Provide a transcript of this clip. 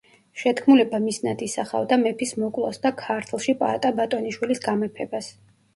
შეთქმულება მიზნად ისახავდა მეფის მოკვლას და ქართლში პაატა ბატონიშვილის გამეფებას.